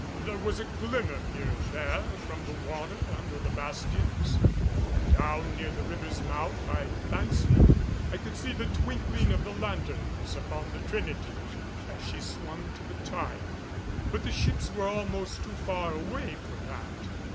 There was a glimmer here and there from the water under the bastions. Down near the river's mouth I fancied I could see the twinkling of the lanthorns upon the Trinity as she swung to the tide; but the ships were almost too far away for that.